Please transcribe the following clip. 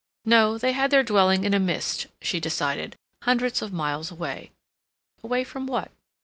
No; they had their dwelling in a mist, she decided; hundreds of miles away—away from what?